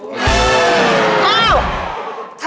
เอ้า